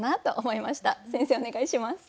先生お願いします。